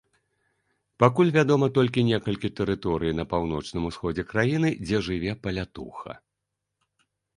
Пакуль вядома толькі некалькі тэрыторый на паўночным усходзе краіны, дзе жыве палятуха.